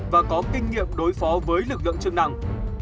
và có kinh nghiệm đối phó với lực lượng chức năng